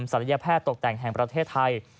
ศัลยแพทย์ตกแต่งแห่งประเทศไทย